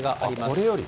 これより？